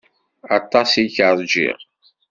Aṭas i k-rjiɣ.